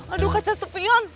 aduh kaca sepion